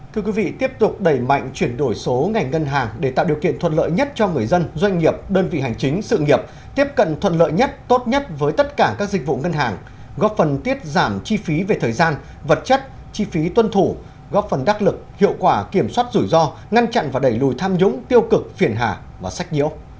thưa quý vị tiếp tục đẩy mạnh chuyển đổi số ngành ngân hàng để tạo điều kiện thuận lợi nhất cho người dân doanh nghiệp đơn vị hành chính sự nghiệp tiếp cận thuận lợi nhất tốt nhất với tất cả các dịch vụ ngân hàng góp phần tiết giảm chi phí về thời gian vật chất chi phí tuân thủ góp phần đắc lực hiệu quả kiểm soát rủi ro ngăn chặn và đẩy lùi tham nhũng tiêu cực phiền hà và sách nhiễu